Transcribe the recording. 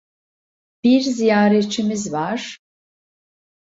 Bir ziyaretçimiz var.